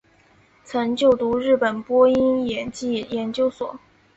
曾就读日本播音演技研究所。